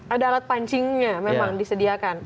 ada alat pancingnya memang disediakan